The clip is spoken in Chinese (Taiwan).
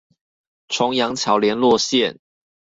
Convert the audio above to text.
重陽橋聯絡線